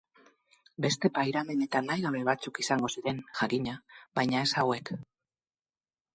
Beste pairamen eta nahigabe batzuk izango ziren, jakina, baina ez hauek.